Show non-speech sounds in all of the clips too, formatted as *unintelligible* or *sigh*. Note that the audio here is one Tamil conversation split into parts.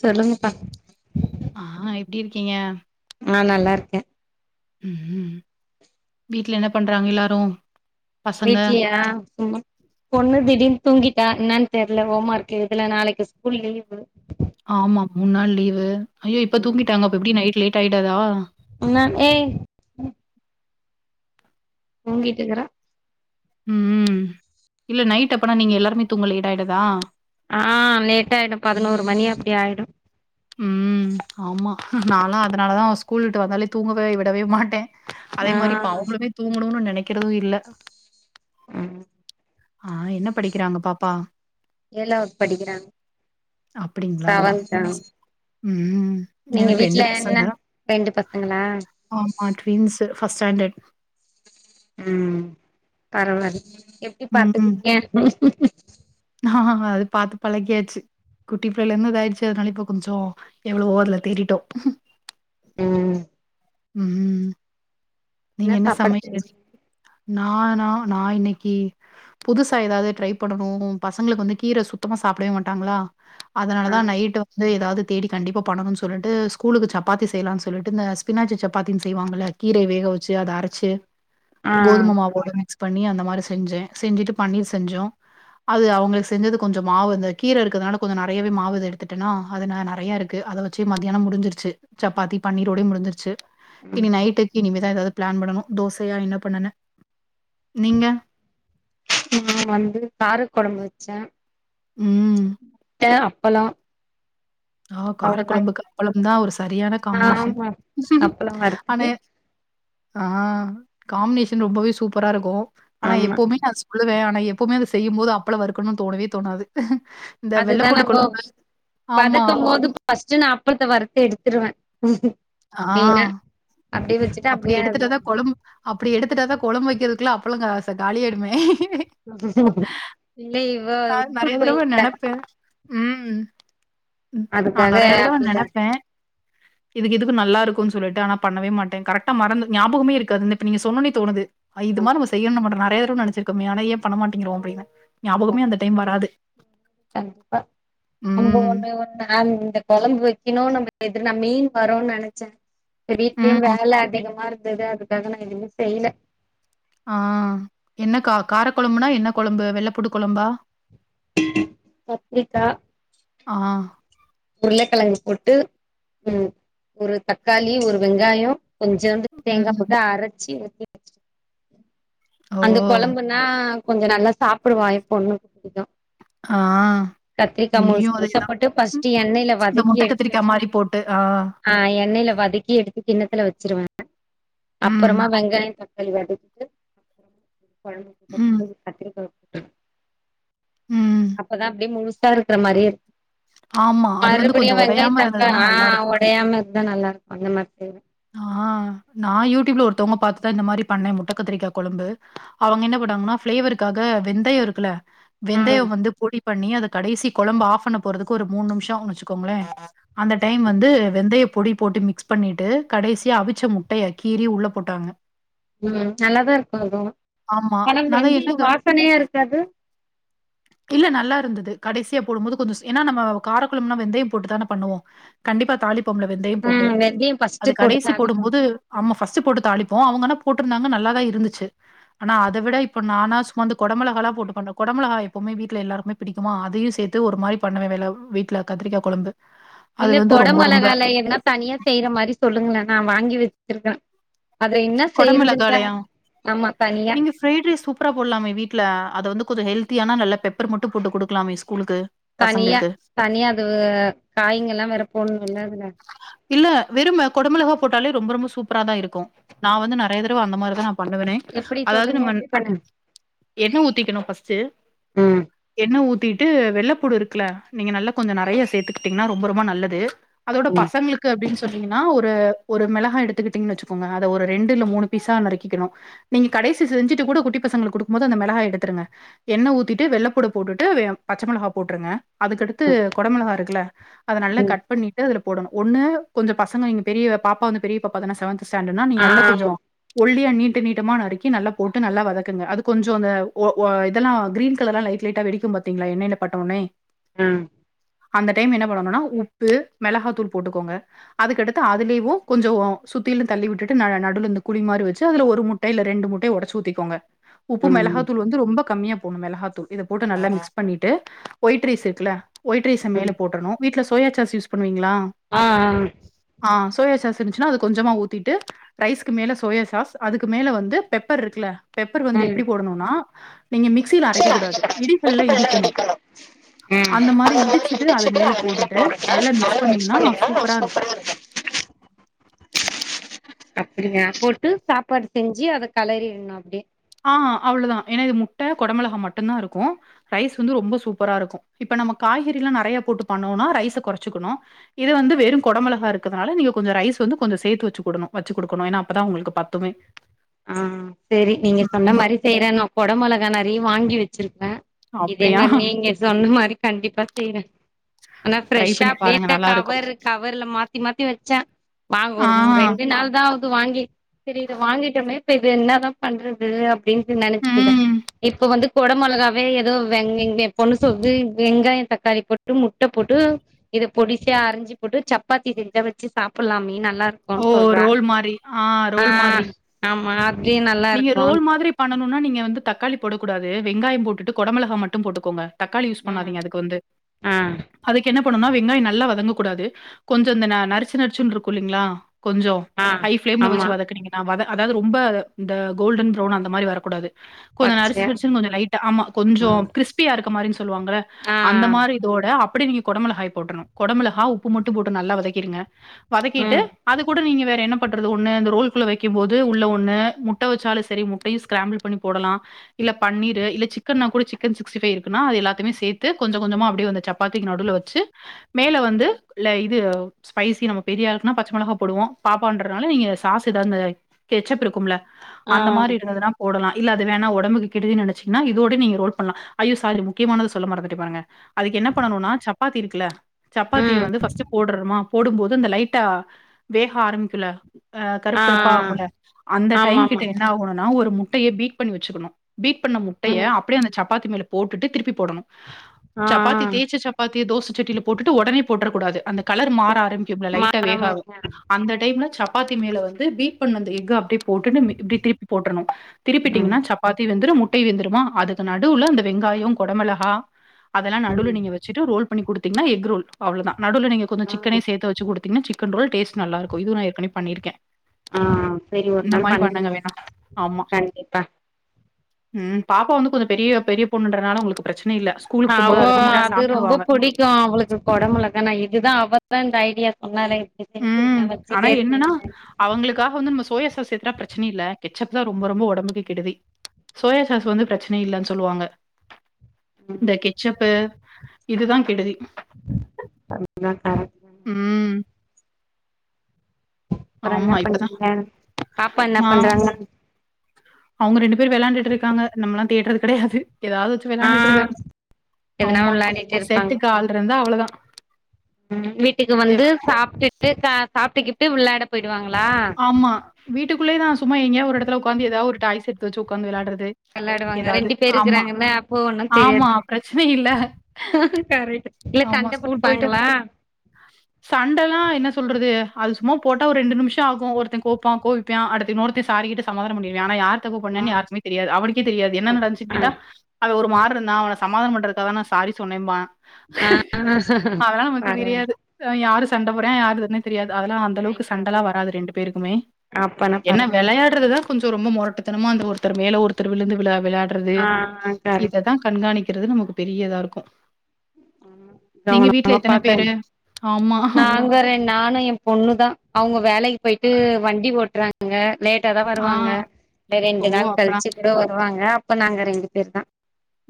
சொல்லுங்கப்பா ஆ எப்படி இருக்கீங்க நா நல்லா இருக்கே உம் வீட்டுல என்ன பண்றாங்க எல்லாரு வீட்ட்லியா சும்மா பொண்ணு திடீனு தூங்கிட் ட்ட என்னன்னு தெரியல ஹோம் ஒர்க் இதுல நாளைக்கு ஸ்கூல் லீவு ஆமா மூணு நாள் லீவு ஐயோ இப்ப தூங்கிட்டாங்க அப்ப எப்படி நைட் லேட் ஆயிடாதா ஆனா ஏய் தூங்கிட்டு இருக்குற உம் இல்ல நைட் அப்பனா நீங்க எல்லாருமே தூங்க லேட் ஆயிடதா ஆ லேட் ஆயிடு பதினோரு மணி அப்படி ஆயிடு உம் ஆமா நாலா அதனாலதா ஸ்கூல் விட்டு வந்தாலே தூங்கவே விடவே மாட்ட அதே ஆ மாரி இப்ப அவங்களுமே தூங்கணும்னு நெனைக்கிறது இல்ல உம் ஆ என்ன படிக்கிறாங்க பாப்பா ஏழாவது படிக்கிறாங்க அப்படிங்களா செவன்த் உம் நீங்க எனக்கு ரெண்டு வீட்ல என்ன பசங்க ரெண்டு பசங்களா ஆமா டுவின்ஸு ஃபஸ்ட் ஸாண்டர் உம் பரவாயில்ல எப்படி பாத்துக்குறீங்க ஆ அது பாத்து பழகியாச்சு குட்டி பிள்ளையிருது இது ஆயிடுச்சு அதனால இப்ப கொஞ்சோ எவ்ளோ அதுல தேரிட்டோ உம் உம் நீங்க என்ன சாப்பாடு சமைக்க செஞ்சீங்க ந நா நா இன்னைக்கி புதுசா எதாது ட்ரை பண்ணணு பசங்களுக்கு வந்து கீர சுத்தமா சாப்டவே மாட்டாங்களா அதனால தா நைட் வந்து எதாவது தேடி கண்டிப்பா பண்ணணு சொல்லிட்டு ஸ்கூலுக்கு சப்பாத்தி செய்யலானு சொல்லிட்டு ஸ்பினாச்சி சப்பாத்தி செய்வாங்கள கீரைய வேக வச்சி அத அரச்சு ஆ கோதும ஆ மாவோட மிக்ஸ் பண்ணி அந்த மாரி செஞ்ச செஞ்சிட்டு பண்ணீர் செஞ்சோ அது அவங்களுக்கு செஞ்சது கொஞ்சோ மாவு இந்த கீர இருக்கதுனால கொஞ்சோ நெறையாவவே மாவு இத எடுத்துட்டேன்னா அது நெறைய இருக்கு அத வச்சி மத்தியானோ முடிஞ்சிருச்சு சப்பாத்தி பன்னீரோடயே முடிஞ்சிருச்சு இனி ம் நைட்டுக்கு இனிமேதா எதாவது பிளான் பண்ணனு தோசையா என்ன பண்ணனு நா வந்து கார கொழம்பு வச்ச ம் முட்ட அப்பளோ ஆ அவ்ளோதா காரக்குழம்பக்கு அப்பளம் தா ஒரு சரியான காம்பினேஷன் அப்பளம் ஆனா வருத்துட்டு ஆ காம்பினேஷன் ரொம்பவே சூப்பரா இருக்கு ஆனா ஆமா எப்பவுமே நா சொல்லுவ எப்பவுமே அத செய்யும் போது அப்பளோ வருக்கனணுன்னு தோணவே தோணாது இந்த வெள்ளப்பூண்டு கொழம்பு ஆமா பஸ்ட்டு நா அப்பளத்த வருத்து எடுத்துடுவ ஆ அப்படி அப்டியே எடுத்துட்டதா கொழம்பு அப்படி எடுத்துட்டா தா கொழம்பு வெக்கிறதுக்குல்ல அப்பலோ சார் காலியாடுமே இல்லையே ஆ நெறைய தடவ நெனப்ப ம் நா அதுக்காக நெறைய தடவ அப்டிதா நெனப்ப இது இதுக்கு நல்லா இருக்குன்னு சொல்லிட்டு ஆனா பண்ணவே மாட்ட கரக்டா மறந்து ஞாபகமே இருக்காது நேத்து நீங்க சொன்னனே தோனுது இது மாரு நம்ம செய்ணு மட்டு நெறைய தடவ நெனச்சிருக்கோமே ஆனா ஏன் பண்ணமாட்டிகிறோ அப்டின்னு ஞாபகமே அந்த டைம் வராது கண்டிப்பா நம்ம ம். ஒண்ணு ஒண்ணு இந்த கொழம்பு வெக்கணு நம்ம நேத்து நா மீன் வருன்னு நெனச்ச இப்ப வீட்லயு ம். வேல அதிகமா இருக்கு ந்தது அதுக்காக நா எதுவுமே செய்யல ஆ என்ன கா காரக்குழம்புனா என்ன கொழம்பு வெள்ளப்பூண்டு கொழம்பா கத்ரிக்கா ஆ உருளக்கிழங்கு போட்டு ம் ஒரு தக்காளி ஒரு வெங்காயோ கொஞ்சோண்டு தேங்கா ம். போட்டு அரைச்சி ஊத்தி வச்ச ஓ! அந்த கொழம்புன்னா கொஞ்சோ நல்லா சாப்புடுவ என் பொன்னனுக்கு புடிக்கு ஆ கத்திரிக்கா முழுசு இங்கேயும் முழுசாப் அதேதான். போட்டு ம். ஃபஸ்ட்டு எண்ணெயில இந்த வதக்கி முட்ட எடுத்து கத்திரிக்கா வச்சுட் மாரி போட்டு. ஆ எண்ணெயில வதக்கி எடுத்து கிண்ணத்தில வச் வச்சிருவே ம், அப்புறமா வெங்காயம் தக்காளி வதக்கிட்டு கொழம்பு ம், கொதிக்கவு கத்திரக்காவப் போட்ருவே ம். அப்பதான் அப்பிடியே முழுசா இருக்கிற மாரியே இரு ஆமா. அது வந்து கொஞ்சம் மறுபடியும் வெங்காய உடையாம இருந்ததுன்னா தக்காய் ஆ நல்லாருக்கும். ஒடையாம இருந்தா நல்லா இருக்கும் அந்த மாரி செய்வே ஆ ஆ நான் யூடியூப்ல ஒருத்தவங்க பாத்துதா இந்த மாதிரி பண்ணே முட்டக்கத்திரிக்கா கொழம்பு அவங்க என்ன போட்டாங்கன்னா ஃப்ளேவ க்காக வெந்தயம் இருக்குல்ல ம் வெந்தயம் வந்து பொடி பண்ணி அதக் கடைசி கொழம்பு ஆஃப் பண்ணப் போறதுக்கு ஒரு மூணு நிமிஷம் வச்சுக்கோங்களேன் அந்த டைம் வந்து வெந்தயம் பொடி போட்டு மிக்ஸ் பண்ணிட்டு கடைசியா அவிச்ச முட்டையக் கீறி உள்ள போட்டாங்க ம் நல்லாதான் இருக்கும் இதுவும் ஆமா. ஆனா நான் தான் வெந்தயம் என்னங்க வாசனையா இருக்காது இல்ல நல்லா இருந்தது கடைசியா போடும் போது கொஞ்சம் ஏன்னா நம்ம காரக்கொழம்புன்னா வெந்தயம் போட்டுத்தானே பண்ணுவோ கண்டிப்பா தாளிப் ம் வெந்தயம் ஃபஸ்ட் அது கடைசி போடும்போது அம்மா ஃபஸ்ட் போட்டு தாளிப்போம் அவங்க ஆனா போட்டிருந்தாங்க நல்லாதான் இருந்துச்சு ஆனா அத விட இப்ப நானா சும்மா இந்த கொடமெளகா ல்லா போட்டு பண்ணுவே கொட மெளகா எப்பவும வீட்ல எல்லாருக்குமே பிடிக்குமா அதயும் சேர்த்து ஒரு மாதிரி பண்ணவே வேல வீட்ல கத்திரிக்கா கொழம்பு இல்ல கொட மொளகால எதுனா தனியா செய்யிற மாதிரி சொல்லுங்களே நா வாங்கி வச்சிருக்கே அதுல என்ன செய்யறதுன்தா கொடமெளகாலையா ஆமா தனியா நீங்க ஃப்ரைட் ரைஸ் சூப்பரா போட்லாமே வீட்டுல அத வந்து கொஞ்சம் ஹெல்த் தி ஆனா நல்ல பெப்பர் மட்டும் போட்டு கொடுக்கலாமே ஸ்கூல் தனியா தனியா அது காயுங்கல்லாம் வேற போடணுல்ல அதுல இல்ல வெறும் கொடமெளகா போட்டாலே ரொம்ப ரொம்ப சூப்பரா தா இருக்கும் நா வந்து நெறைய தடவ அந்த மாரிதா பண்ணுவனே எப்டி அதாவது சொல்லுங்க நம்ம எப்டி பண்ணுங்க எண்ணெ ஊத்திக்கணும் ஃபஸ்ட்டு ம் எண்ணெ ஊத்திட்டு வெள்ளப் பூடு இருக்குல்ல நீங்க நல்ல கொஞ்சம் நெறைய சேத்துக்கிட்டீங்கன்னா ரொம்ப ரொம்ப நல்லது அதோட ம் பசங்களுக்கு அப்டின் சொ ன்னிங்கனா ஒரு ஒரு மெளகா எடுத்துக்கிட்டீங்கன்னு வச்சுக்கோங்க அத ஒரு ரெண்டு இல்ல மூணு பீஸா நறுக்கிக்கணு நீங்க கடை சு செஞ்சுட்டு கூட குட்டிப்பசங்களுக்கு குடுக்கும் போது அந்த மெளகாய எடுத்துருங்க எண்ணெ ஊத்திட்டு வெள்ளப்பூடப் போட்டுட்டு பச்ச மொளகா போட்டுருங்க அதுக்கடுத்து கொடமெளகா இருக்குல்ல அத நல்லா ம் ம் கட் பண்ணிட்டு அதுல போடணும் ஒண்ணு கொஞ்ச பசங்க நீங்க பெரிய பாப்பா வந்து பெரிய பாப்பா தானே செவன்த் ஸ்டாண்டட்னா நீங்க நல்ல ஆமா கொஞ்சம் ஒல் லியா நீட்ட நீட்டமா நறுக்கி நல்லா போட்டு நல்லா வதக்குங்க அது கொஞ்சம் அ அ இதெல்லா கிரீன் கலர்லா லைட் லைட் வெடிக்கும் பாத்தீங்களா எண்ணெயில பட்ட ஒட்னே ம் அந்த டைம் என்ன பண்ணணுன்னா உப்பு மெளகாத்தூள் போட்டுக்கோங்க அதுக்கடுத்து அதுலேயேவு கொஞ்சம் சுத்திலும் தள்ளி விட்டுட்டு நடுல இருந்து குழி மாரி வச்சு அதுல ஒரு முட்ட இல்ல ரெண்டு முட்டைய ஒடச்சு ஊத்திக்கோங்க உப்பு ம் மெளகாத்தூள் வந்து ரொம்ப கம்மியா போட்ணு மெளகாத்தூள் இதப் போட்டு நல்லா மிக்ஸ் பண்ணிட்டு ஒய்ட் ரைஸ் இருக்குல்ல ஒய்ட் ரைஸ ம் மேல போட்ரணும் வீட்ல சோயா சாஸ் யூஸ் பண்ணுவீங்களா ஆ ஆ ஆ சோயாசாஸ் இருந்துச்சுன்னா அத கொஞ்சமா ஊத்திட்டு ரைஸ்க்கு மேல சோயா சாஸ் அதுக்கு மேல வந்து பெப்பர் இருக்குல்ல பெப்பர் வந்து ம் எப்பிடி போடணுனா நீங்க மிக்சியில அரைக்கக் கூடாது இடிகல்ல இடிக்கணும் ம் அந்த மாரி இடிச் சுட்டு அது இடிச்சிட்டு மேல அத போட்டுட்டு போடுங்க நல்லா மிக்ஸ் பண்ணீங்கன்னா சூப்பரா இருக்கு அப்படியா போட்டு சாப்பாடு செஞ்சு அத கெளறிடணு அப்டியே ஆ அவ்ளதா ஏன்னா இது முட்ட கொடமெளகா மட்டுந்தா இருக்கு ரைஸ் வந்து ரொம்ப சூப்பரா இருக்கும் இப்ப நம்ம காய்கறிலா நெறைய போட்டு பண்ணுவோனா ரைஸ கொறச்சுக்கணு இது வந்து வெறும் கொடமெளகா இருக்கனால நீங்க கொஞ்ச ரைஸ் வந்து கொஞ்சம் சேத்து வச்சு கொடணு வச்சு குடுக்கணு ஏன்னா அப்பதா உங்களுக்கு பத்துமே ஆ சரி நீங்க சொன்ன ம் மாரி செய்றே நு கொட மொளகா நிறைய வாங்கி வச்சிருக் இதே அப்டியா மாரி நீங்க சொன்ன மாரி கண்டிப்பா செய்றே ஆனா ட்ரை ப்ரெஷ்ஷா பண்ணி பாருங்க அப்டியே நல்லா இருக்கு கவர் கவர்ல மாத்தி மாத்தி வ செ வாங்க ஆ ஒரு ரெண்டு நாள் தா ஆது வாங்கி சரி இது வாங்கிட்டோமே இப்ப இது என்னதா பண்றது அப்டின்னு நெனைச்சிருந்தே ம் இப்ப வந்து கொட மெளகாவே ஏதோ வெ இங்க என் பொண்ணு சொல்து வெங்காயம் தக்காளி போட்டு முட்ட போட்டு இத பொடிசியா அறிஞ்சு போட்டு சப்பாத்தி செஞ்சா வச்சு சாப்பிலாமே நல்லாருக்கு ஓ சொல்றா ரோல் மாரி ஆ ரோல் மாதிரி ஆ ஆமா அப்டியே நல்லா நீங்க ரோல் இருக்கு மாதிரி பண்ணனுனா நீங்க வந்து தக்காளி போடக்கூடாது வெங்காயம் போட்டுட்டு கொடமெளகா மட்டும் போட்டுக்கோங்க தக்காளி யூஸ் ம் பண்ணாதீங்க அதுக்கு வந்து ஆ அதுக்கு என்ன போனுனா வெங்காயம் நல்லா வதங்க கூடாது கொஞ்சம் இந்த நரிச்சு நரிச்சுன் இருக்கு இல்லங்களா கொஞ்சோ ஆ ஹை ஃப்ளேம்ல வச்சு ஆமா வதக்குனீங்கனா வத அதாவது ரொம்ப இந்த கோல்டன் ப்ரௌன் அந்த மாரி வரக்கூடாது கொஞ்ச பச்ச நரிச் நரிச்சுன் கொஞ்சோ லைட்டா ஆமா கொஞ்சோ ஆ க்ரிஸ்பியா இருக்க மாரி சொல்லுவாங்கள ஆ அந்த மாரி இதோட அப் அப்படி நீங்க கொட மெளகாய் போட்ரணு கொடமெளகா உப்பு மட்டு போட்டு நல்லா வதக்கிடுங்க வதக்கிட்டு ம் அது கூட நீங்க வேற என்ன பண்றது ஒண்ணு அந்த ரோல்குள்ள வைக்கும் போது உள்ள ஒண்ணு முட்ட வச்சாலும் சரி முட்டையு ஸ்கிராம்பில் பண்ணி போடலாம் இல்ல பன்னீரு இல்ல சிக்கன்னா கூட சிக்கன் சிக்ஸ்ட்டிஃபைவ் இருக்குனா அது எல்லாத்தமே சேத்து கொஞ்ச கொஞ்சமா அப்படியே வந்த சப்பாத்திக்கு நடுவில வச்சு மேல வந்து ல இது ஸ்பைசி நம்ம பெரிய ஆளுக்குனா பச்சை மெளகா போடுவோ பாப்பான்றதுனால நீங்க சாஸ் ஏதா இந்த கெச்சப் இருக்கும்ல ஆ அந்த மாரி இருந்ததுன்னா போடலா இல்ல அது வேணா ஒடம்புக்கு கெடுது நெனச்சிங்கன்னா இதோடே நீங்க ரோல் பண்லா ஐயோ சாரி முக்கியமானத சொல்ல மறந்துட்டே பாருங்க அது என்ன பண்ணணுனா சப்பாத்தி இருக்குல சப்பாத்திய ம் வந்து ஃபர்ஸ்ட்டு போடுறமா போடும்போது இந்த லைட்டா வேக ஆரம்பிக்குல அ ஆ கருப்பு கருப்பா ஆகல அந்த ஆமா டைம் ஆமா கிட்ட என்ன ஆகணும்னா ஒரு முட்டையே பீட் பண்ணி வச்சுக்கணு பீட் பண்ண முட்டைய ம் அப்படியே அந்த சப்பாத்தி மேலே போட்டுட்டு திருப்பி போடணும் ஆ சப்பாத்தி ஆ தேயச்ச சப்பாத்திய தோசை செட்டியில போட்டுட்டு உடனே போற்றகூடாது அந்த கலர் மாற ஆரம்பி லைட்ட மாறாம வேகா இருக்க அந்த டைம்ல சப்பாத்தி மேல வந்து பீட் ப ண்ண அந்த எஃக் அப்படி போட்டுட்டு இப்படி திருப்பி போட்ரணும் ம் திருப்பிட்டீங்கன்னா சப்பாத்தி வெந்துரூ முட்ட முட்டையும் வெந்துருமா அதுக்கு நடுவுல அந்த வெங்காயம் கொடமிளகா அதெல்லாம் நடுவுல ம் நீங்க வச்சுட்டு ரோல் பண்ணிகுடுத்து ன்னா எஃக் ரோல் அவ்ளோதான் நடுவில் நீ கொஞ்சம் ஆ சிக்கெனியும் சேர்த்து வச்சு கொடு நா சிக்கன் ரோல் டேஸ்ட் நல்லா இருக்கும் இதுவூ ஏற்கனவே பண்ணிருக்கே ஆ சரி ஒரு நாள் பண்றன் ஆமா. கண்டிப்பா ம் பாப்பா வந்து கொஞ்சம் பெரிய பெரிய பொண்ணுன்றனால உங்களுக்கு பிரச்சனை இல்ல. ஸ்கூலுக்கு அவ போம்போது அத நீட்டா அது சாப்ட்டுருவாங்க. ரொம்ப புடிக்கும் அவளுக்கு கொடமொளகானா இதுதான் அவதான் இந்தய ஐடியா சொன்னாலே இப்டி ம் செஞ்சிருங்க ஆனா வச்சுட்டே என்னன்னா இருக்கிறீங்களே அவங்களுக்காக வந்து நம்ம சோய சய பிரச்சனை இல்லை கெச்சப் தான் ரொம்ப ரொம்ப உடம்புக்கு கெடுதி சோயா சாஸ் வந்து பிரச்சின இல்லன்னு சொல்லுவாங்க ம் இந்த கெச்சப்பு இதுதான் கெடுதி ஆ ம் அப்புறம் என்ன ஆமா. இப்பதான் பண்றீங்க பாப்பா என்ன ஆ பண்றாங்க அவங்க ரெண்டு பேர் விளாண்டுட்டு இருக்காங்க நம்மளாம் தேட்டுறது கிடையாது ஏதாவது வச்சு ஆ விளையாண்டுட்டு இருக்காரு எதுனா ஆமா விளையாடிட்டு இருப்பாங்க செட்டுக்கு ஆள் இருந்தா அவ்வளோதா வீட்டுக்கு வந்து சாப்ட்டுட்டு சாப்ட்டுக்கிட்டு விளாட போயிடுவாங்கள ஆமா வீட்டுக்குள்ளே தான் சும்மா எங்கயா ஒரு இடத்துல உக்காந்து ஏதாவது ஒரு டாய்ஸ் எடுத்து வச்சு உட்காந்து விளாடுறது வெளாடுவாங்க ஏதாவது ரெண்டு பேர் ஆமா இருக்கிறாங்கல்ல அப்போ ஒன்னு ஆமா தெரியாது பிரச்சனை இல்ல கரெக்ட் இல்ல ஆமா சண்ட ஸ்கூல் போயிட்டு போட்டுப்பாங்களா சண்டலா என் சொல்றது அது சும்மா போட்டா ஒரு ரெண்டு நிமிஷம் ஆகும் ஒருத்த கோம் கோப்பிப்பான் அடுத்து இனொர்தன் சாரி கேட்டு சமாதானம் பண்ணிடுவா ஆனா யார் தப்பு ஆ பண்ணன்னு யாருக்குமே தெரியாது அவனுக்கே தெரியாது என்ன நடந்துச்சு கேட்டா அவன் ஒரு ப்புருந்தான் அவன சமாதானம் பண்டறக்கான நான் சாரி சொன்னேம்பான். ஆ அதெல்லம் நமக்கு பரவால்ல தெரியாது, யாரு சண்ட போடுறன் யாருதனே தெரியாது. அதெல்லாம் அந்த டைம் அளவுக்கு சண்டலா பாப்பே வராது ரெண்டு பேருக்குமே அப்பனா என்ன பரவால்ல விளையாடுறதுதா கொஞ்சோம் ரொம்ப மொரட்டுத்தனமா அந்த ஒருத்தர் மேல ஒருத்தர் விழுந்து விலா வெளாடுறது ஆ கரெக்ட் இத தான் கண்காணிக்க இருறது நம பெரியதாருக்கும், நீங்க வீட்ல கவனமா எத்தன பாத்து பேரு? ஆமா. நாங்க ரெண் நானு என் பொண்ணு தான் அவுங்க வேலைக்கு பொய்ட்டு வண்டி ஓட்றாங்க ங்க லேட்டா தான் ஆ. வருவாங்க, ஓ! ரெண்டு நாள் அப்பலாம். கழிச்சு குட வருவாங்க அப்ப நாங்க ரெண்டு பேர் தான்.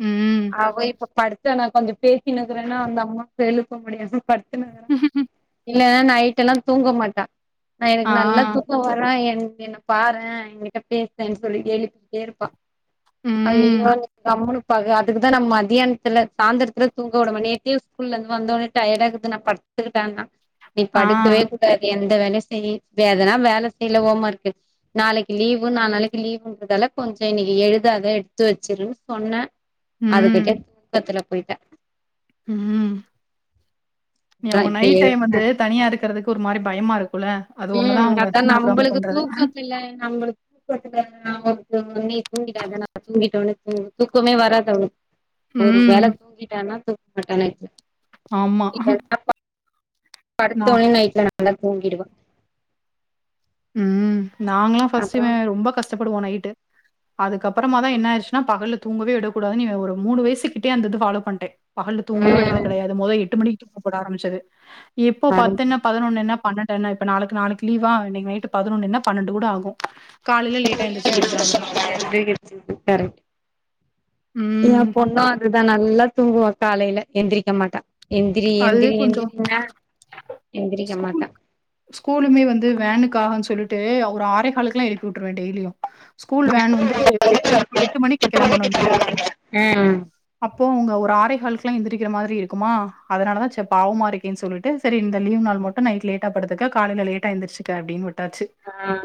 ம். அவ இப்ப படுத்தனா கொஞ்சம் பேசினுருக்றேன்னா அந்த அம்மா இப்பெழுப்ப முடியாம படுத்துனுருங்காங்க இல்லனா நைட்டு எல்லாம் தூங்க மாட்டா நான் எனக்கு ஆ. நல்லா தூக்க வரோ என் என்ன பாறேன் என்கிட்ட பேசேன்னு சொல்லி எழுப்பிட்டே இருப்பா. ம். அய்யோ அம்முனுப்பாக அதுக்குதா நம்ம மதியானத்துல சாந்தரத்துல தூங்க உடம நேத்தியும் ஸ்கூல்லந்து வந்தோடன டயர்ட இருக்குதுனு நான் படுத்துக்கிட்டேனா நீ ஆ. படுக்கவே கூடாதே இந்த வெனஸ்டே லீவு வேரேதனா வேல செய் இல்ல ஓமாருக்கு நாளைக்கு லீவு நால் நாளைக்கு லீவுங்கிறதன்னால கொஞ் ச்ச இன்னைக்கு எழுதாத எடுத்து வச்சிரு சொன்னேன், அதுக்கிட்ட ம். தூக்கத்துல போய்ட்டா. ம் நீ அதா ஒங்க இப்ப நைட் டைம் எழுப்புனே வந்து தனியா இருக்குறதுக்கு ஒரு மாரி பயமா இரு ம் அததா நம்பளுக்கு தூக்கத்துல நம்பளுக்கு தூக்கத்துல *unintelligible* தூங்கிடாத நா தூங்கிட்ட ஒடுனே தூங்கு தூக்கமே வராது அவளுக்கு ஒரு ம். வேல தூங்கிட்டன்னா தூ மாட்டா நைட்ல ஆம்மா படுத்தொன்ன நைட்ல நல்லா தூங்கிடுவா. ம் நாங்களாம் அப்றோ பஃர்ஸ்ட்ன ரொம்ப கஷ்டப்படுவோ நைட்டு அதுக்கப் அப்றமா தா என்ன ஆயிருச்சுனா பகல்ல தூங்கவே விடக்கூடாது‌னு ஒரு மூணு வயசுகிட்டயே அந்த இது ஃபாலோ பன்ட்டே பகல்ல தூங்கவே விட்றது ம் கெடயாது மொத எட்டு மணிக்கு தூங்கப்போட ஆரம்புச்சது இப்போ அது பத்தென்ன பதனொன்னே பன்னெண்டு என்ன இப்ப நாளிக்கு நாளிக்கு லீவா இன்னிக்கு நைட்டு பதுனொன்னு என்ன பன்னெண்டு கூட ஆகு *inaudible* கரெக்ட் ஏ ம். பொண்ணு அதுதா நல்லா தூங்குவா காலைல எந்திரிக்க மாட்டா எந்திரி எந்திரி எந்திரினா ஸ்கூல் ஸ்கூலுமே வந்து வேனுக்கான்னு சொல்லி ட்டு ஒரு ஆறேஹாலுக்கெலா எழுப்பி விட்டுருவ டெய்லியு ஸ்கூல் வேன் வந்து எட்டு மணிக்கு கெளம்பனு இங்க ம் அப்போ உங்க ஒரு ஆறேஹாலுக்கெலா எந்திரிக்கிற மாரி இருக்குமா அதனால தா ச்ச பாவமா இருக்கேனு சொல்ட்டு செரி இந்த லீவ் நாள் மட்டு‌ நைட் லேட்டா படுத்துக்க காலைல லேட்டா எந்திருச்சுக்க அப்டினு விட் டச்சு ஆ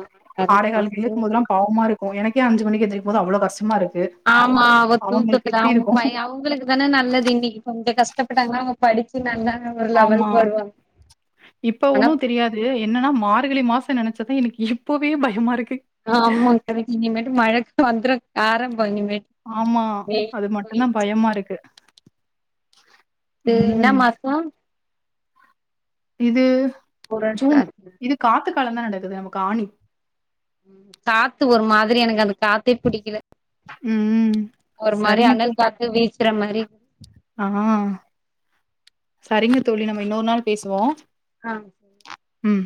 ஆறே கரெக்ட் தா காலுக்கு நீங்க எழுப்பும்போதெல்லா பாவமா இருக்கு எனக்கே அஞ்சு மணிக்கு எந்திரக்க மோது அவ்ளோ கஷ்டமா இரு ஆமா அவ தூக்கத்துல அவுங்கய்ய அவுங்களுக்கு தான நல்லது இன்னிக்கு கொஞ்சோ கஷ்டப்பட்டாங்கன்னா அவுங்க படிச்சு நல்லா ஒரு ஆமா லெவலுக்கு வருவாங்க இப்ப ஆனா ஒண்ணு தெரியாது என்னன்னா மார்கழி மாச த்த நெனச்சதா எனக்கு இப்போவே பயமாயிருக்கு அ ஆமா கரைக்கு இனிமேட்டு மழக்கு வந்துர ஆரம்‌ ப்போ இனிமேட் ஆமா. அது மட்டும் தான் பயமா இருக்கு. இது இன்னா ம். மாசோ இது ஜூன் புரட்டாசி இது காத்து காலம் தான நடக்குது நம்க்கு ஆணி காத்து ஒரு மாதிரி எனக்கு அந்த காத்தே பிடிக்கல ம் ம் ஒரு மாரி அனல் காத்து வீ்சுற மாரி அ அ செரிங்க தோழி நம்ம இன்னோரு நாள் பேசுவோ அ ம்